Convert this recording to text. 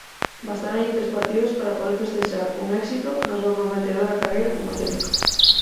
Bastáronlle tres partidos para poder festexar un éxito na súa prometedora carreira como técnico.